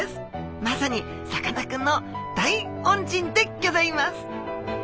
まさにさかなクンの大恩人でギョざいます！